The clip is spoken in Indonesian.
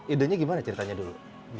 ide nya gimana ceritanya dulu